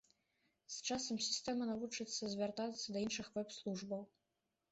З часам сістэма навучыцца звяртацца да іншых вэб-службаў.